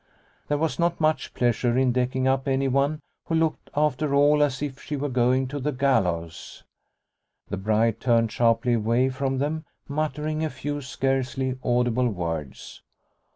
There was not much pleasure in deck ing up anyone who looked after all as if she were going to the gallows. The bride turned sharply away from them, muttering a few scarcely audible words.